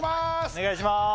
お願いします